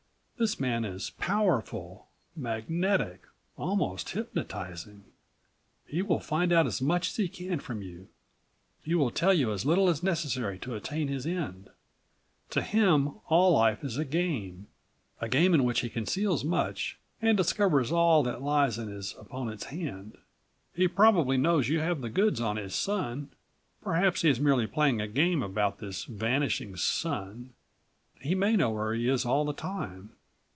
This man is powerful, magnetic, almost hypnotizing. He will find out as much as he can from you. He will tell as little as is necessary to attain his end. To him all life is a game, a game in which he conceals much and discovers all that lies in his opponent's hand. He probably knows you have the goods on his son. Perhaps he is merely playing a game about this vanishing son. He may know where he is all the time.